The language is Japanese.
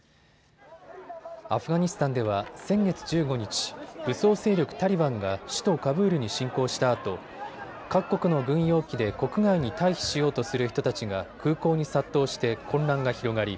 アフガニスタンでは先月１５日、武装勢力タリバンが首都カブールに進攻したあと各国の軍用機で国外に退避しようとする人たちが空港に殺到して混乱が広がり